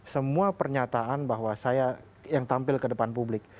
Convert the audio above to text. semua pernyataan bahwa saya yang tampil ke depan publik